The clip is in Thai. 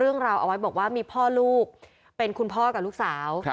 เอาไว้บอกว่ามีพ่อลูกเป็นคุณพ่อกับลูกสาว